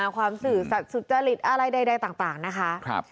ความสื่อสัตว์สุจริตอะไรใดต่างนะคะ